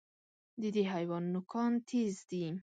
د دې حیوان نوکان تېز دي.